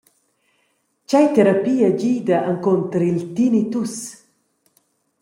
Tgei terapia gida encunter il «Tinnitus»?